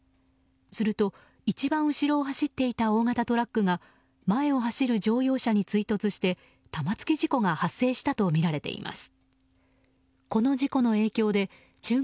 すると一番後ろを走っていた大型トラックが前を走る乗用車に追突して玉突き事故が発生したとみられています。